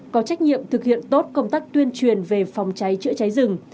có trách nhiệm thực hiện tốt công tác tuyên truyền về phòng cháy chữa cháy rừng